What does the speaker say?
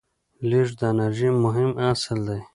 لیږد د انرژۍ مهم اصل دی.